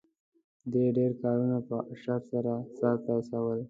دې ډېر کارونه په اشر سره سرته رسول.